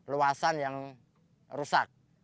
luasan yang rusak